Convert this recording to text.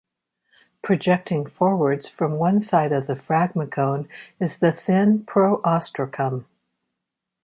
Projecting forwards from one side of the phragmocone is the thin "pro-ostracum".